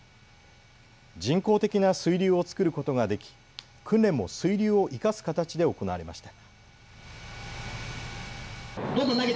人工的な水流を作ることができ訓練も水流を生かす形で行われました。